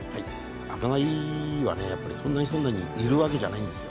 赤貝はそんなにいるわけじゃないんですよ。